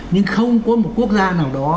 nhưng không có một quốc gia nào đó